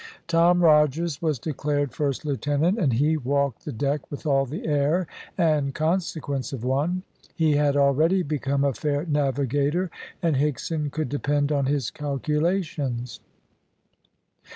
Tom Rogers was declared "First Lieutenant," and he walked the deck with all the air and consequence of one. He had already become a fair navigator, and Higson could depend on his calculations.